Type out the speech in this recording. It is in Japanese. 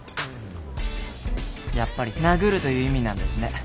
やっぱり殴るという意味なんですね。